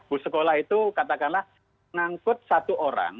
bus sekolah itu katakanlah mengangkut satu orang